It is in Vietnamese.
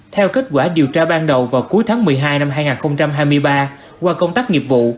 theo kết quả điều tra ban đầu vào cuối tháng một mươi hai năm hai nghìn hai mươi ba qua công tác nghiệp vụ